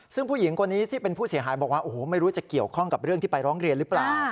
ซึ่งผู้หญิงคนนี้ที่เป็นผู้เสียหายบอกว่าโอ้โหไม่รู้จะเกี่ยวข้องกับเรื่องที่ไปร้องเรียนหรือเปล่า